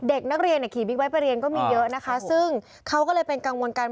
เด็กนักเรียนเนี่ยขี่บิ๊กไบท์ไปเรียนก็มีเยอะนะคะซึ่งเขาก็เลยเป็นกังวลกัน